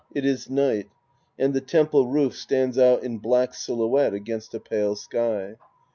It is night, and the temple roof stands out in black silhouette dgainst a pale sk^.